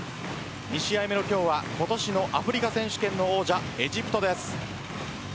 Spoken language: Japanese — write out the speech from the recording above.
２試合目の今日は今年のアフリカ選手権の王者エジプトです。